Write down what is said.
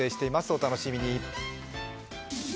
お楽しみに。